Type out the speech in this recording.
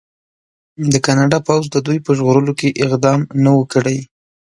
د کاناډا پوځ د دوی په ژغورلو کې اقدام نه و کړی.